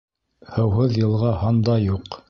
Һыуһыҙ йылға һанда юҡ.